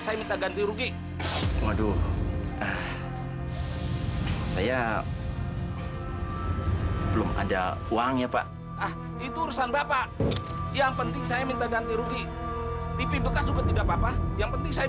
sampai jumpa di video selanjutnya